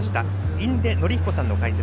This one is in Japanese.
印出順彦さんの解説。